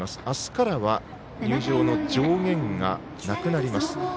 あすからは入場の上限がなくなります。